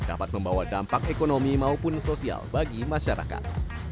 dapat membawa dampak ekonomi maupun sosial bagi masyarakat